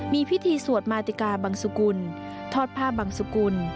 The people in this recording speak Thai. มีพิธีสวดมาติกาบังสุกุลทอดผ้าบังสุกุล